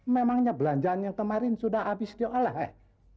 memangnya belanjaan yang kemarin sudah habis dia oleh